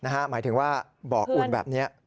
หมายถึงว่าบ่ออุ่นแบบนี้